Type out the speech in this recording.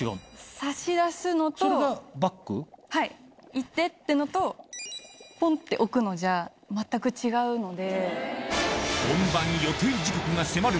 「行って」ってのとポンと置くのじゃ全く違うので。